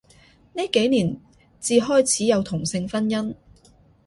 呢幾年至開始有同性婚姻